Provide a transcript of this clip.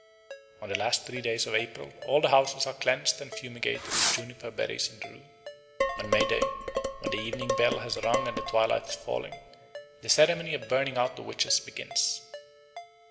On the last three days of April all the houses are cleansed and fumigated with juniper berries and rue. On May Day, when the evening bell has rung and the twilight is falling, the ceremony of "Burning out the Witches" begins.